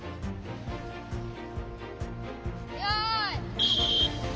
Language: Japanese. よい。